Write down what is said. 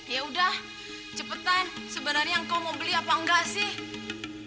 ya udah cepetan sebenarnya engkau mau beli apa enggak sih